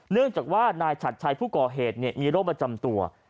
เนื่องจากว่านายฉัดชัยผู้ก่อเหตุมีโรคประจำตัว